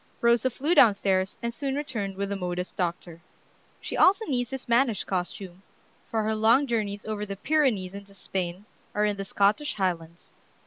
Rosa flew down stairs, and soon returned with the modest doctor. She also needs this mannish costume, for her long journeys over the Pyrenees into Spain or in the Scottish Highlands.